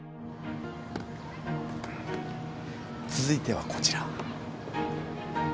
続いてはこちら。